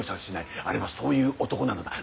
あれはそういう男なのだ。